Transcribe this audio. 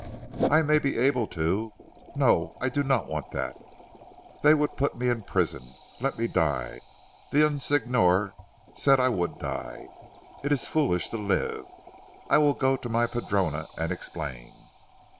"I may be able to " "No, I do not want that. They would put me in prison. Let me die. The young Signor said I would die. It is foolish to live. I will go to my Padrona and explain."